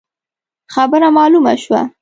خبره مالومه شوه.